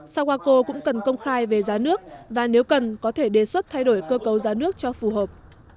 sau qua cô cũng cần công khai về giá nước và nếu cần có thể đề xuất thay đổi cơ cấu giá nước cho phù hợp